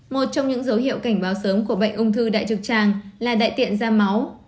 một trong những dấu hiệu cảnh báo sớm của bệnh ung thư đại trực tràng là đại tiện ra máu